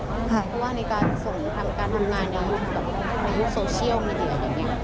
เพราะว่าในการส่งการทำงานในยุคโซเชียลมีเดียวอย่างนี้